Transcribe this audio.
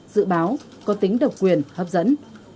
dự báo có tính độc quyền hấp dẫn